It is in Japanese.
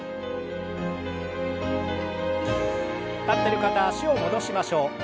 立ってる方は脚を戻しましょう。